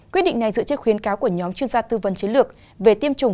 quyết định này dựa trên khuyến cáo của nhóm chuyên gia tư vấn chiến lược về tiêm chủng